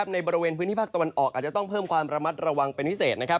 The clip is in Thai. ในบริเวณพื้นที่ภาคตะวันออกอาจจะต้องเพิ่มความระมัดระวังเป็นพิเศษ